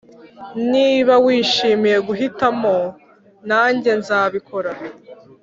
niba wishimiye guhitamo, nanjye nzabikora